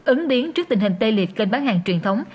ứng biến trước tình hình tê liệt kênh bán hàng truyền thống